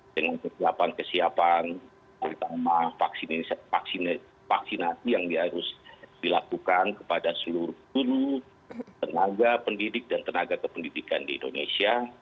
dengan kesiapan kesiapan terutama vaksinasi yang harus dilakukan kepada seluruh guru tenaga pendidik dan tenaga kependidikan di indonesia